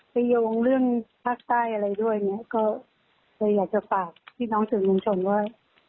ประโยงเรื่องภาคใต้อะไรด้วยไงก็เลยอยากจะฝากที่น้องสื่อมุมส่วนว่า